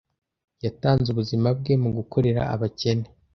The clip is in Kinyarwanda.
Yatanze ubuzima bwe mu gukorera abakene.